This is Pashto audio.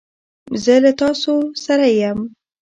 زه له تاسو سره یم.